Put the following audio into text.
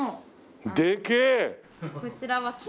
こちらの。